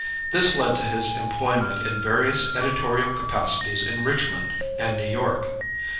This led to his employment in various editorial capacities in Richmond and New York.